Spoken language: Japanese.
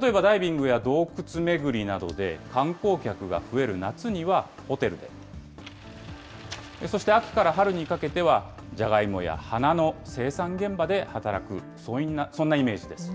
例えばダイビングや洞窟巡りなどで観光客が増える夏にはホテルで、そして秋から春にかけては、ジャガイモや花の生産現場で働く、そんなイメージです。